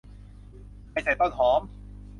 ไม่ใส่ต้นหอม